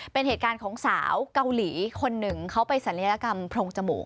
เป็นเหตุการณ์ของสาวเกาหลีคนหนึ่งเขาไปศัลยกรรมโพรงจมูก